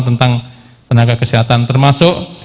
tentang tenaga kesehatan termasuk